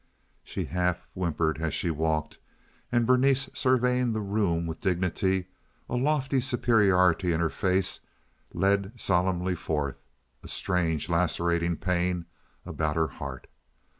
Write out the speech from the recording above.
She half whimpered as she walked; and Berenice, surveying the room with dignity, a lofty superiority in her face, led solemnly forth, a strange, lacerating pain about her heart.